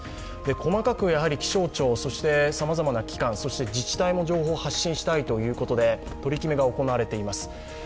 細かく気象庁、さまざまな機関そして自治体も情報を発信したいということで取り決めが行われています。